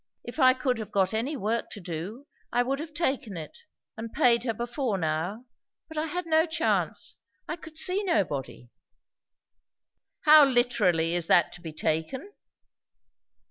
If I could have got any work to do, I would have taken it, and paid her before now; but I had no chance. I could see nobody." "How literally is that to be taken?"